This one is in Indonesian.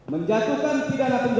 menjatuhkan pidana penjara